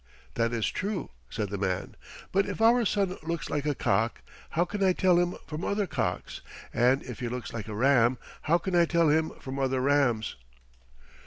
"That is true," said the man; "but if our son looks like a cock, how can I tell him from other cocks; and if he looks like a ram, how can I tell him from other rams?"